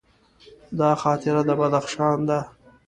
دا خاطره د بدخشان ده.